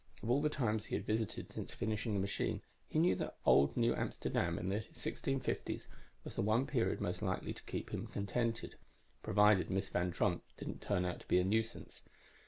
Of all the times he had visited since finishing the machine, he knew that old New Amsterdam in the 1650s was the one period most likely to keep him contented provided Miss Van Tromp didn't turn out to be a nuisance.